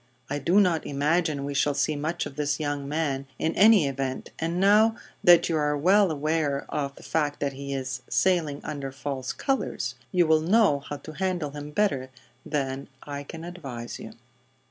I do not imagine we shall see much of this young man, in any event, and now that you are well aware of the fact that he is sailing under false colors, you will know how to handle him better than I can advise you."